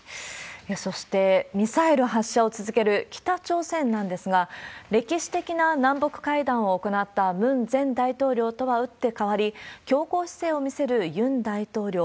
そして、ミサイル発射を続ける北朝鮮なんですが、歴史的な南北会談を行ったムン前大統領とは打って変わり、強硬姿勢を見せるユン大統領。